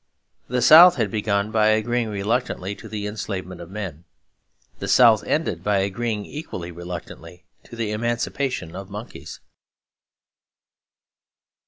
The South had begun by agreeing reluctantly to the enslavement of men. The South ended by agreeing equally reluctantly to the emancipation of monkeys.